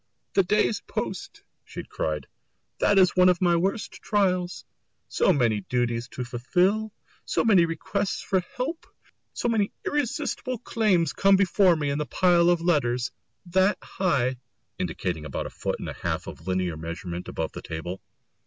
"The day's post!" she cried, "that is one of my worst trials so many duties to fulfil, so many requests for help, so many irresistible claims come before me in the pile of letters that high," indicating about a foot and a half of linear measurement above the table.